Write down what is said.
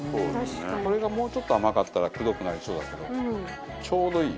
これが、もうちょっと甘かったらくどくなりそうだったけどちょうどいい。